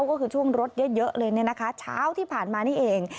ก็คือช่วงรถเยอะเลยเนี่ยนะคะเช้าที่ผ่านมานี่เอง